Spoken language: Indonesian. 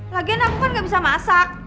lagian aku kan gak bisa masak